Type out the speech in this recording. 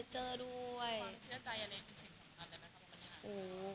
ความเชื่อใจอันนี้เป็นสิ่งของคุณครับแต่มันเข้ากันกันอย่างไร